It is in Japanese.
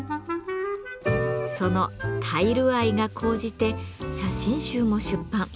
そのタイル愛が高じて写真集も出版。